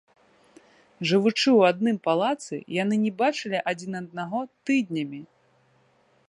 Жывучы ў адным палацы, яны не бачылі адзін аднаго тыднямі.